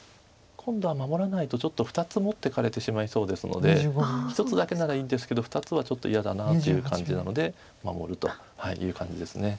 今度は守らないとちょっと２つ持っていかれてしまいそうですので１つだけならいいんですけど２つはちょっと嫌だなという感じなので守るという感じです。